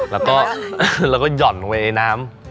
แล้วก็หย่อนลงไปในน้ำ